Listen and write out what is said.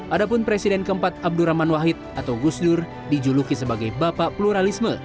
adapun presiden keempat abdurrahman wahid atau gusdur dijuluki sebagai bapak pluralisme